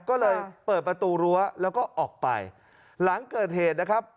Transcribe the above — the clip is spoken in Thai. ก็เลยเปิดประตูรั้วแล้วก็ออกไปหลังเกิดเหตุนะครับ